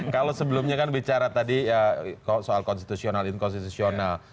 kalau sebelumnya kan bicara tadi soal konstitusional inkonstitusional